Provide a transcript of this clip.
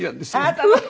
あなたも？